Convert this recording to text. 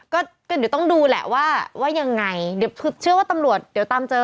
ก็ก็เดี๋ยวต้องดูแหละว่าว่ายังไงเดี๋ยวคือเชื่อว่าตำรวจเดี๋ยวตามเจอ